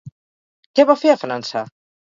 Què va fer a França?